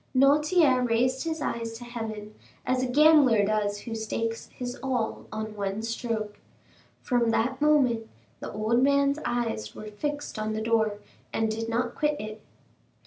Noirtier raised his eyes to heaven, as a gambler does who stakes his all on one stroke. From that moment the old man's eyes were fixed on the door, and did not quit it.